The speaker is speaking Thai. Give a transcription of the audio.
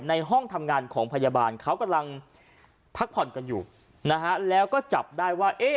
ในห้องทำงานของพยาบาลเขากำลังพักผ่อนกันอยู่นะฮะแล้วก็จับได้ว่า